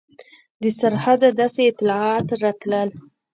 د سرحده داسې اطلاعات راتلل.